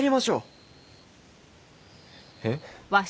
えっ？